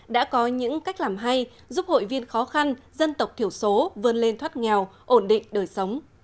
đã có những cách làm hay giúp hội viên khó khăn dân tộc thiểu số vươn lên thoát nghèo ổn định đời sống